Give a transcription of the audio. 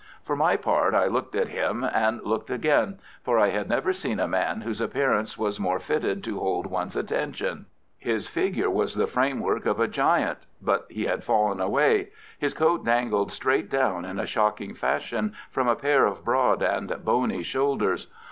For my part I looked at him, and looked again, for I had never seen a man whose appearance was more fitted to hold one's attention. His figure was the framework of a giant, but he had fallen away his coat dangled straight down in a shocking fashion from a pair of broad and bony shoulders.